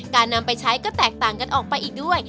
การนำไปใช้ก็แตกต่างกันออกไปอีกด้วย